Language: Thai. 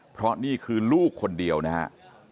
เพราะนี่คือลูกคนเดียวนะฮะ